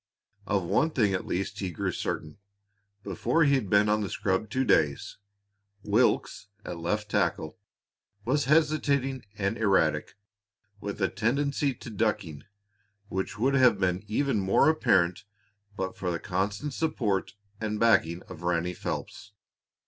Of one thing at least he grew certain before he had been on the scrub two days. Wilks, at left tackle, was hesitating and erratic, with a tendency to ducking, which would have been even more apparent but for the constant support and backing of Ranny Phelps.